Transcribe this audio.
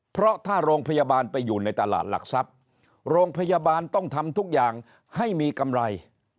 เพราะถ้าโรงพยาบาลไปอยู่ในตลาดหลักทรัพย์โรงพยาบาลต้องทำทุกอย่างให้มีกำไร